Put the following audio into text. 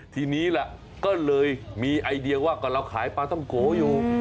ทีนี้แหละก็เลยมีไอเดียว่าก็เราขายปลาท่องโกอยู่